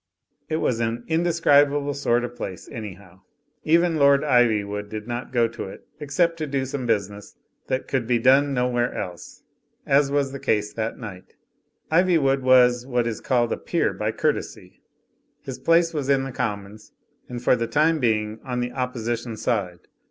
It was an indescribable sort of place, anyhow. Even Lord Iv3rWood did not go to it except to do some business that could be done nowhere else ; as was the case that night. Iv3rwood was what is called a peer by courtesy; his place was in the Commons, and for the time being on the Opposition side.